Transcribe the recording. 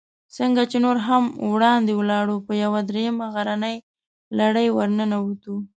څنګه چې نور هم وړاندې ولاړو، په یوه درېیمه غرنۍ لړۍ ورننوتو.